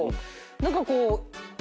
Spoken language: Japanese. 何かこう。